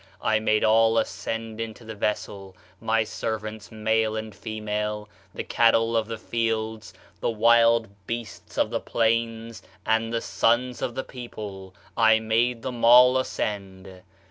I made all ascend into the vessel; my servants, male and female, the cattle of the fields, the wild beasts of the plains, and the sons of the people, I made them all ascend.